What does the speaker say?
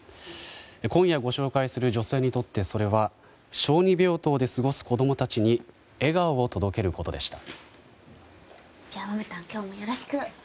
今夜、ご紹介する女性にとってそれは小児病棟で過ごす子供たちに笑顔を届けることでした。